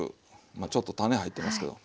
まあちょっと種入ってますけど。